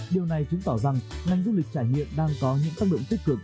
điều này chứng tỏ rằng ngành du lịch trải nghiệm đang có những tác động tích cực